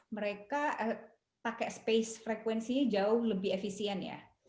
mereka pakai space frekuensinya jauh lebih efisien ya